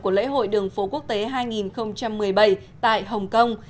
của lễ hội đường phố quốc tế hai nghìn một mươi bảy tại hồng kông